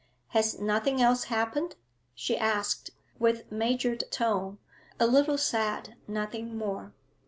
'Has nothing else happened?' she asked, with measured tone, a little sad, nothing more.